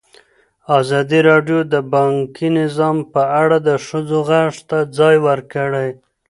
ازادي راډیو د بانکي نظام په اړه د ښځو غږ ته ځای ورکړی.